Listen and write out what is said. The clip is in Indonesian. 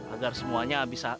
agar semuanya bisa